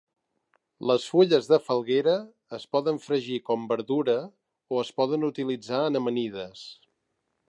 Les fulles de falguera es poden fregir com "verdura" o es poden utilitzar en amanides.